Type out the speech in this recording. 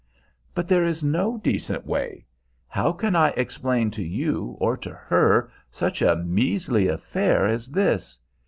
"But there is no decent way. How can I explain to you, or you to her, such a measly affair as this?